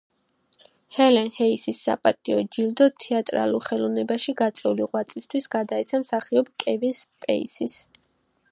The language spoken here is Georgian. ჰელენ ჰეისის საპატიო ჯილდო თეატრალურ ხელოვნებაში გაწეული ღვაწლისთვის გადაეცა მსახიობ კევინ სპეისის.